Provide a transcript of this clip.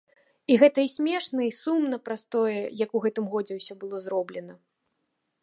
Але і смешна і сумна праз тое, як у гэтым годзе ўсё было зроблена.